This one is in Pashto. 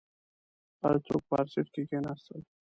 هر څوک په هر سیټ کې کیناستل.